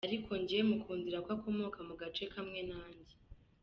Ariko njye mukundira ko akomoka mu gace kamwe nanjye.